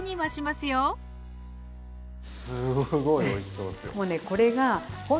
すごいおいしそうですよ。